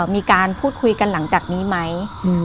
มีการพูดคุยกันหลังจากนี้ไหม